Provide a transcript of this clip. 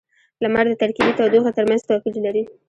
• لمر د ترکيبی تودوخې ترمینځ توپیر لري.